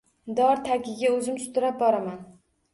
Dor tagiga o‘zim sudrab boraman.